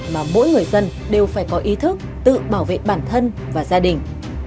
mà mỗi người dân đều phải có ý thức tự bảo vệ bản thân và gia đình